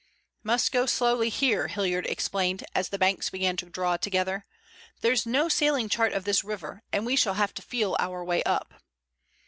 "Must go slowly here," Hilliard explained, as the banks began to draw together. "There's no sailing chart of this river, and we shall have to feel our way up."